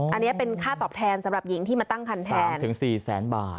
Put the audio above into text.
อันนี้เป็นค่าตอบแทนสำหรับหญิงที่มาตั้งคันแทนถึง๔แสนบาท